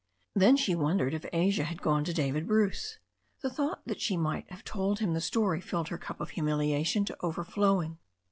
Then she wondered if Asia had gone to David Bruce. The thought that she might have told him the story filled her cup of humiliation to overflowing.